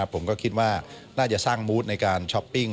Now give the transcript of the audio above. ผมก็คิดว่าน่าจะสร้างมูธในการช้อปปิ้ง